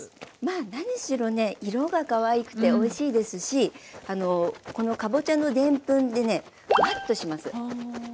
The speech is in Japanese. まあ何しろね色がかわいくておいしいですしこのかぼちゃのでんぷんでねフワッとします。